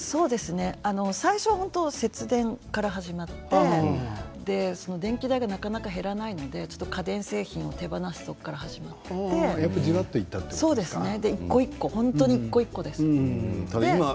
最初は節電から始まって電気代がなかなか減らないので家電製品を手放すところから始まって一個一個、本当に一個一個です。